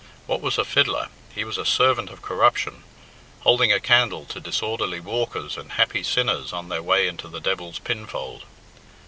What was a fiddler? He was a servant of corruption, holding a candle to disorderly walkers and happy sinners on their way into the devil's pinfold.